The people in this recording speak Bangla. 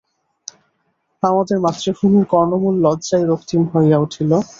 আমাদের মাতৃভূমির কর্ণমূল লজ্জায় রক্তিম হইয়া উঠিল।